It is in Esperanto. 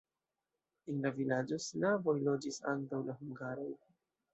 En la vilaĝo slavoj loĝis antaŭ la hungaroj.